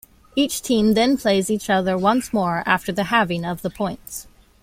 Each team then plays each other once more after the halving of the points.